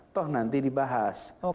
toh nanti dibahas